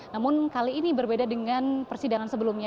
namun kali ini berbeda dengan persidangan sebelumnya